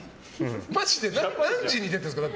マジで何時に出てるんですか？